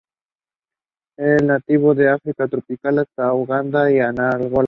Es nativo del África tropical hasta Uganda y Angola.